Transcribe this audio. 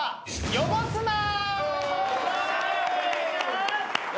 汚すなよ